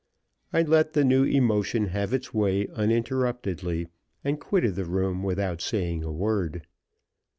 I let the new emotion have its way uninterruptedly, and quitted the room without saying a word.